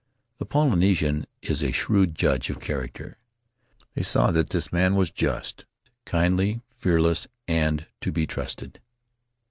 The Polynesian is a shrewd judge of charac ter; they saw that this man was just, kindly, fearless, and to be trusted.